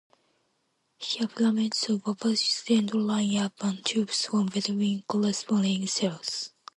Here filaments of opposite gender line up, and tubes form between corresponding cells.